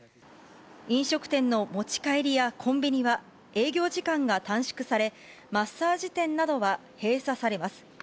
飲食店の持ち帰りやコンビニは営業時間が短縮され、マッサージ店などは閉鎖されます。